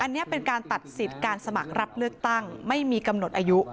อันนี้เป็นการตัดสิทธิ์การสมัครรับเลือกตั้งไม่มีกำหนดอายุ